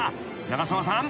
長澤さん。